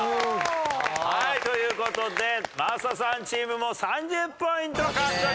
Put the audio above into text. はいという事で真麻さんチームも３０ポイント獲得。